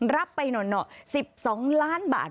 รับไป๑๒ล้านบาท